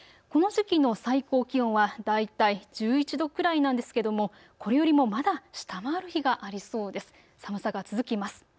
この時期の最高気温は大体１１度くらいなんですけれどもこれよりもまだ下回る日がありそうです。